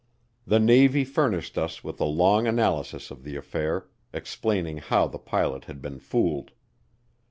The Navy furnished us with a long analysis of the affair, explaining how the pilot had been fooled.